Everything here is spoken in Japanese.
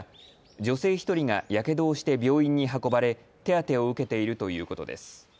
女性１人がやけどをして病院に運ばれ手当てを受けているということです。